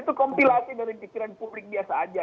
itu kompilasi dari pikiran publik biasa aja